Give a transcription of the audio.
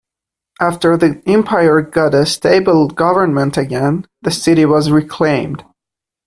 After the empire got a stable government again, the city was reclaimed.